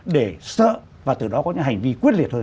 để sợ và từ đó có những hành vi quyết liệt hơn